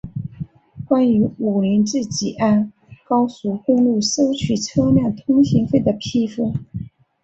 关于武宁至吉安高速公路收取车辆通行费的批复